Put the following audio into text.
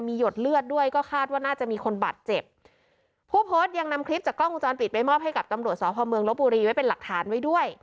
มีหยดเลือดด้วยก็คาดว่าน่าจะมีคนบาดเจ็บผู้โพสต์ยังนำคลิปจากกล้องวงจรปิดไปมอบให้กับตำรวจสพเมืองลบบุรีไว้เป็นหลักฐานไว้ด้วย